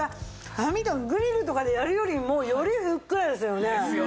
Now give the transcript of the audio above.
網とかグリルとかでやるよりもよりふっくらですよね。